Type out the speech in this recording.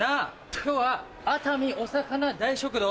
今日は熱海おさかな・大食堂